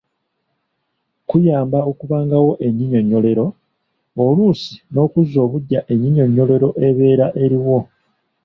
Kuyamba okubangawo ennyinnyonnyolero, oluusi n’okuzza obuggya ennyinnyonnyolero ebeera eriwo.